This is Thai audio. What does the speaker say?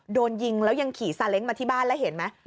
โดนยิงแล้วยังขี่ซาเล้งมาที่บ้านแล้วเห็นไหม